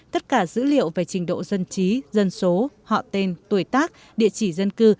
tất cả dữ liệu về trình độ dân trí dân số họ tên tuổi tác địa chỉ dân cư